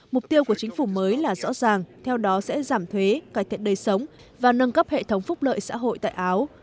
mục tiêu của chính phủ mới là rõ ràng theo đó sẽ giảm thuế cải thiện đời sống và nâng cấp hệ thống phúc lợi xã hội tại áo